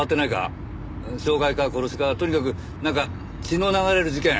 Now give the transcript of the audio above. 傷害か殺しかとにかくなんか血の流れる事件。